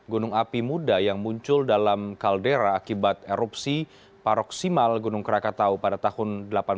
gunung api muda yang muncul dalam kaldera akibat erupsi paroksimal gunung krakatau pada tahun seribu delapan ratus sembilan puluh